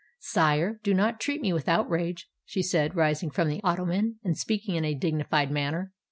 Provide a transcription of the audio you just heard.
"Sire, do not treat me with outrage," she said, rising from the ottoman, and speaking in a dignified manner.